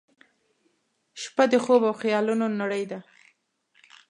• شپه د خوب او خیالونو نړۍ ده.